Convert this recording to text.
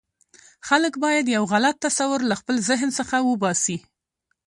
خلک باید یو غلط تصور له خپل ذهن څخه وباسي.